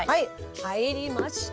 入りました！